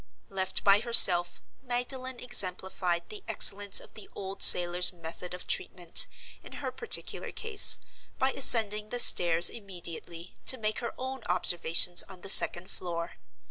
Left by herself, Magdalen exemplified the excellence of the old sailor's method of treatment, in her particular case, by ascending the stairs immediately, to make her own observations on the second floor.